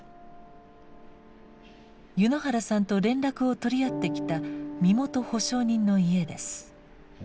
柚之原さんと連絡を取り合ってきた身元保証人の家です。